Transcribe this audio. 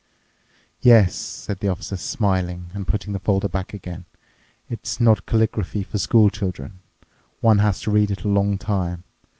"Yes," said the Officer, smiling and putting the folder back again, "it's not calligraphy for school children. One has to read it a long time.